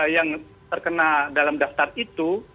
yang terkena dalam daftar itu